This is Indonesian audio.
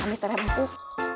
ambil terima kasih